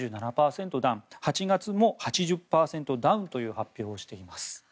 ダウン８月も８０％ダウンという発表をしています。